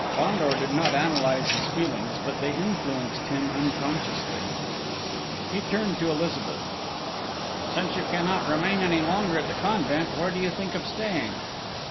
Fandor did not analyse his feelings, but they influenced him unconsciously. He turned to Elizabeth. "Since you cannot remain any longer at the convent, where do you think of staying?"